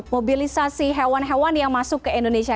mobilisasi hewan hewan yang masuk ke indonesia